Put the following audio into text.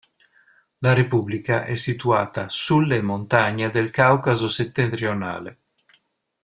La repubblica è situata sulle montagne del Caucaso settentrionale.